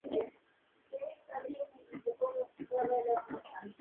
La leyenda local traza la historia de la mezquita al período de Mahoma.